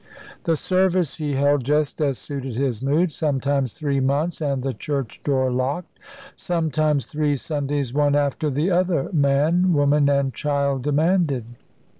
The service he held just as suited his mood; sometimes three months, and the church door locked; sometimes three Sundays one after the other, man, woman, and child demanded.